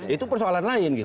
itu persoalan lain